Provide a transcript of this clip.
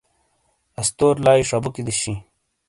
استور لایئ شبوکی دیش ہی۔